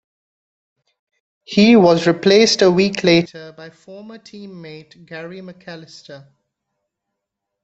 He was replaced a week later by former team-mate Gary McAllister.